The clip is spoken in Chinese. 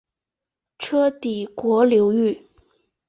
车底国流域。